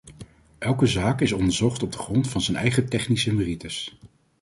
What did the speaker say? Elke zaak is onderzocht op grond van zijn eigen technische merites.